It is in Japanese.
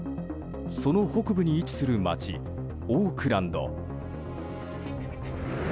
その北部に位置する街オークランド。